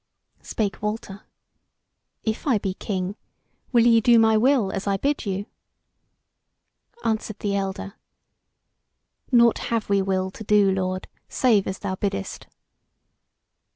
Spake Walter: "If I be king, will ye do my will as I bid you?" Answered the elder: "Nought have we will to do, lord, save as thou biddest."